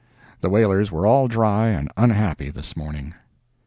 The whalers were all dry and unhappy this morning.)